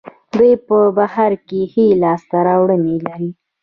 دوی په بهر کې ښې لاسته راوړنې لري.